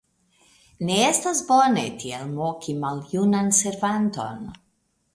Ne estas bone tiel moki maljunan servanton.